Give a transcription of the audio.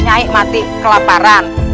nyai mati kelaparan